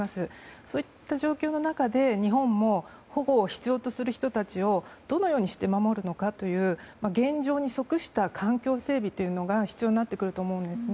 そういった状況の中で日本も保護を必要とする人たちをどのようにして守るのかという現状に即した環境整備というのが必要になってくると思うんです。